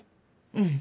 うん。